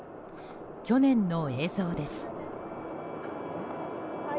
去年の映像です。